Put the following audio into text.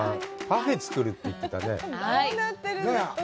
パフェを作るって言ってたね？